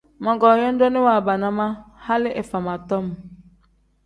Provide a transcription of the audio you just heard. Mogoo yodooni waabana ma hali ifama tom.